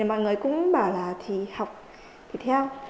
mọi người cũng bảo là thì học thì theo